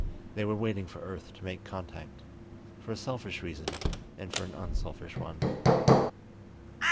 They were waiting for Earth to make contact, for a selfish reason and for an unselfish one.